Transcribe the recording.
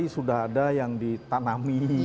sudah ada yang ditanami